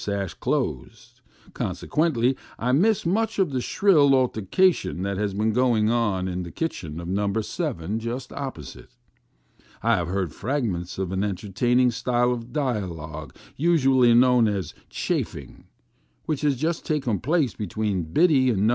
233 sash, closed ; consequently, I miss much of the shrilly altercation that has been going on in the kitchen of No. 7 just opposite. I have heard frag ments of an entertaining style of dialogue usually known as " chaffing," which has just taken place between Biddy in No.